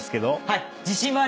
はい。